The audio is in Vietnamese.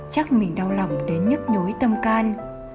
chắc mình đau lòng đến nhức nhối tâm can